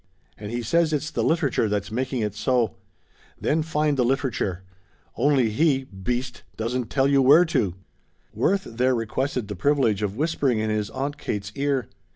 And he says it's the literature that's making it so. Then find the literature. Only he beast! doesn't tell you where to." Worth there requested the privilege of whispering in his Aunt Kate's ear.